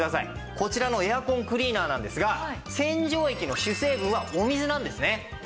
こちらのエアコンクリーナーなんですが洗浄液の主成分はお水なんですね。